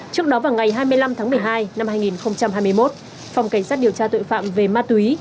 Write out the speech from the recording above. trước đó vào ngày hai mươi năm tháng một mươi hai năm hai nghìn hai mươi một phòng cảnh sát điều tra tội phạm về ma túy